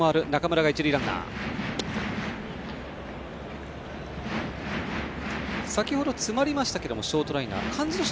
山口は先ほど詰まりましたがショートライナー。